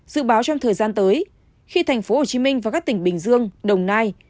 dự báo trong thời gian tới khi thành phố hồ chí minh và các tỉnh bình dương đồng nai